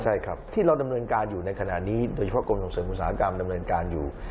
ใช่ครับที่เราดำเนินการอยู่ในขณะนี้โดยเฉพาะกรมส่งเสริมอุตสาหกรรมดำเนินการอยู่